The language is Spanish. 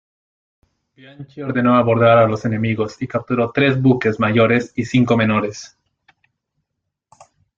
Bianchi ordeno abordar a los enemigos y capturó tres buques mayores y cinco menores.